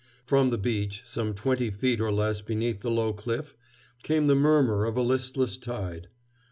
From the beach, some twenty feet or less beneath the low cliff, came the murmur of a listless tide.